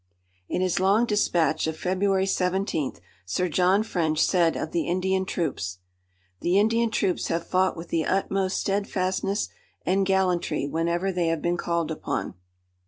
In his long dispatch of February seventeenth Sir John French said of the Indian troops: "The Indian troops have fought with the utmost steadfastness and gallantry whenever they have been called upon."